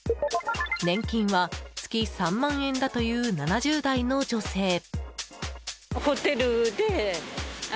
年金は月３万円だという７０代の女性。